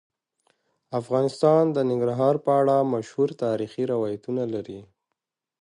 افغانستان د ننګرهار په اړه مشهور تاریخی روایتونه لري.